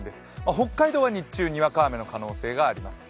北海道は日中にわか雨の可能性があります。